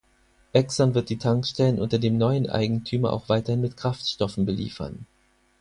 Exxon wird die Tankstellen unter dem neuen Eigentümer auch weiterhin mit Kraftstoffen beliefern.